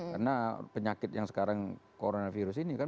karena penyakit yang sekarang coronavirus ini kan